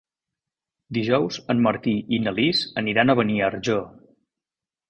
Dijous en Martí i na Lis aniran a Beniarjó.